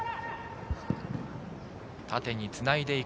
縦につないでいく。